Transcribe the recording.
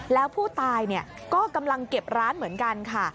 แล้วผู้ตายก็กำลังเก็บร้านเหมือนกันค่ะ